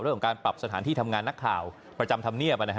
เรื่องการปรับสถานที่ทำงานนักข่าวประจำทำเงียบ